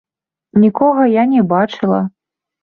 Нікога я не бачыла.